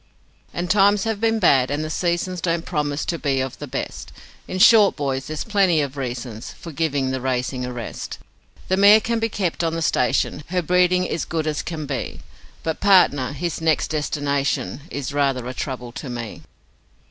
'And times have been bad, and the seasons Don't promise to be of the best; In short, boys, there's plenty of reasons For giving the racing a rest. The mare can be kept on the station Her breeding is good as can be But Partner, his next destination Is rather a trouble to me.